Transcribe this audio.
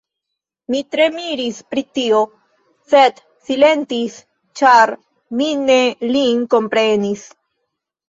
Mi tre miris pri tio, sed silentis, ĉar mi ne lin komprenis.